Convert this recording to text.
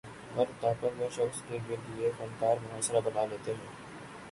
ہر طاقت ور شخص کے گرد یہ فنکار محاصرہ بنا لیتے ہیں۔